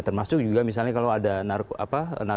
terus kemudian mereka uangnya digunakan dan lain sebagainya